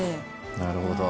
なるほど。